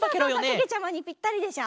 けけちゃまにぴったりでしょ？